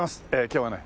今日はね